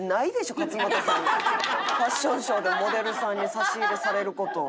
ファッションショーでモデルさんに差し入れされる事。